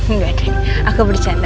enggak deh aku bercanda